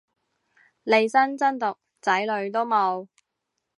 利申真毒仔女都冇